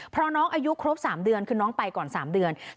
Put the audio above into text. เพราะน้องอายุครบ๓เดือนคือน้องไปก่อน๓เดือน